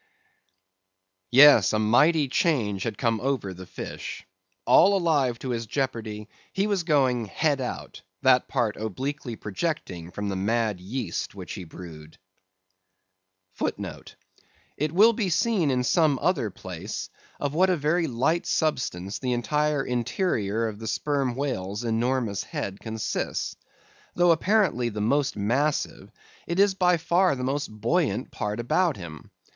Yes, a mighty change had come over the fish. All alive to his jeopardy, he was going "head out"; that part obliquely projecting from the mad yeast which he brewed.* *It will be seen in some other place of what a very light substance the entire interior of the sperm whale's enormous head consists. Though apparently the most massive, it is by far the most buoyant part about him.